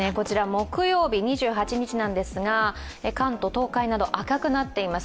木曜日、２８日なんですが関東、東海など赤くなっています。